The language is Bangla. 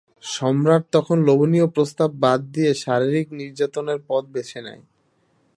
সম্রাট তখন লোভনীয় প্রস্তাব বাদ দিয়ে শারীরিক নির্যাতনের পথ বেছে নেয়।